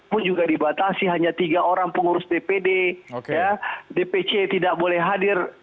pun juga dibatasi hanya tiga orang pengurus dpd dpc tidak boleh hadir